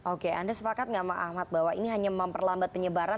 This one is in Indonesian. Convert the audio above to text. oke anda sepakat nggak pak ahmad bahwa ini hanya memperlambat penyebaran